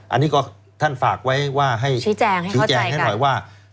อันนี้ก็ท่านฝากไว้ว่าให้ชี้แจงให้หน่อยว่า